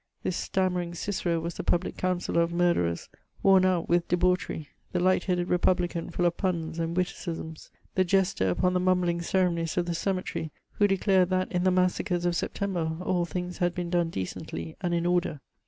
This stammering Cicero was the public coimcillor of murders, worn out with debauchery, the light headed r^mblican full of puns and witdcisms, the jester upon the mumbling oeremonies of the cemetery, who declared that, in the massacres of September, all things had been done decently and in order.